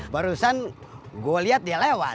barusan gue lihat dia lewat